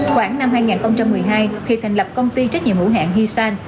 khoảng năm hai nghìn một mươi hai khi thành lập công ty trách nhiệm hữu hạng huy san